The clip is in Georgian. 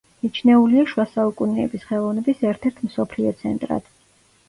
მიჩნეულია შუა საუკუნეების ხელოვნების ერთ-ერთ მსოფლიო ცენტრად.